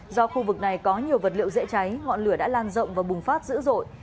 do khu vực này có nhiều vật liệu dễ cháy ngọn lửa đã lan rộng và bùng phát dữ dội